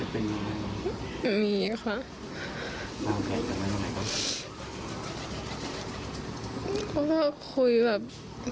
ผมก็เค้าคุยแบบ